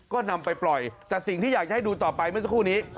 ก็นำไปปล่อยแต่สิ่งที่อยากจะให้ดูต่อไปเมื่อสักครู่นี้